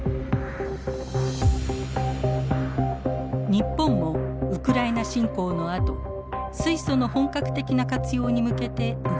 日本もウクライナ侵攻のあと水素の本格的な活用に向けて動き出しています。